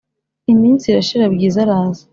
Iminsi irashira bwiza araza